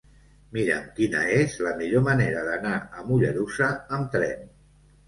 Mira'm quina és la millor manera d'anar a Mollerussa amb tren.